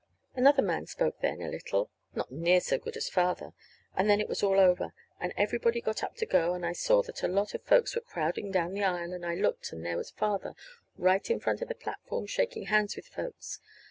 Another man spoke then, a little (not near so good as Father), and then it was all over, and everybody got up to go; and I saw that a lot of folks were crowding down the aisle, and I looked and there was Father right in front of the platform shaking hands with folks.